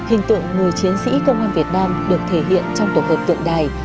ý công an việt nam được thể hiện trong tổng hợp tượng đài